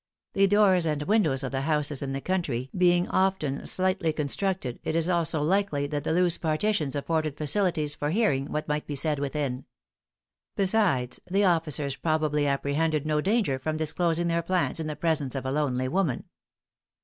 The doors and windows of houses in the country being often slightly constructed, it is also likely that the loose partitions afforded facilities for hearing what might be said within. Besides, the officers probably apprehended no danger from disclosing their plans in the presence of a lonely woman.